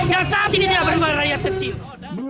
yang saat ini tidak berdua rakyat kecil